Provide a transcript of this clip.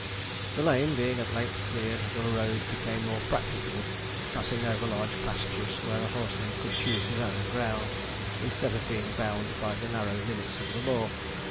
The lane being at length cleared, the road became more practicable, passing over large pastures where a horseman could choose his own ground, instead of being bound by the narrow limits of the law.